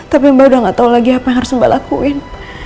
tapi mbak udah gak tau lagi apa yang harus mbak lakuin